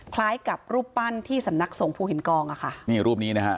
คล้ายกับรูปปั้นที่สำนักสงฤ์ภูฮินกองนี่รูปนี้นะคะ